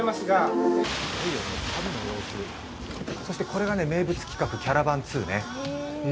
これが名物企画「キャラバンⅡ」ね。